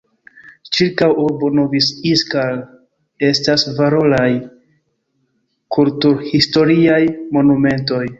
Ĉirkaŭ urbo Novi Iskar estas valoraj kulturhistoriaj monumentoj.